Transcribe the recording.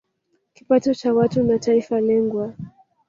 kipato cha watu na taifa lengwa